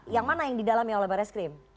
yang mana yang didalami oleh barreskrim